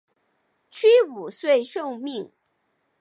屈武遂受命。